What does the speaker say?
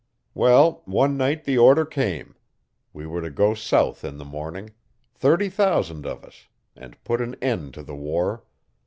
Well, one night the order came; we were to go south in the morning thirty thousand of us, and put an end to the war.